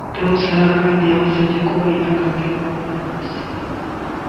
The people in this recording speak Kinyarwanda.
Madamu Sarah kandi yabasabye kuba intagarugero aho bari